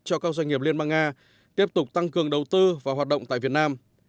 cho các doanh nghiệp liên bang nga tiếp tục tăng cường đầu tư và hoạt động tại việt nam